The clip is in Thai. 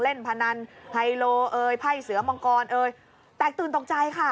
พนันไฮโลเอยไพ่เสือมังกรเอ่ยแตกตื่นตกใจค่ะ